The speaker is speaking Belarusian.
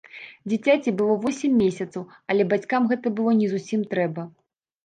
Дзіцяці было восем месяцаў, але бацькам гэта было не зусім трэба.